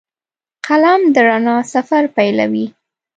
قلم د رڼا سفر پیلوي